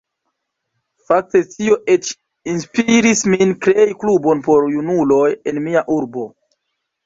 Fakte tio eĉ inspiris min krei klubon por junuloj en mia urbo.